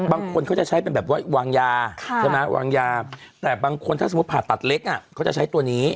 บางคนเขาจะใช้เป็นแบบวางยาแต่บางคนถ้าสมมติผ่าตัดเล็กเขาจะใช้ตัวนี้